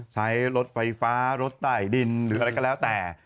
ใช้รถไฟฟ้ารถใต้ดินหรืออะไรก็แล้วแต่